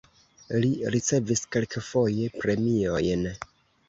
Li ricevis kelkfoje premiojn.